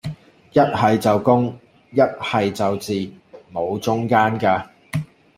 一係就公,一係就字,無中間架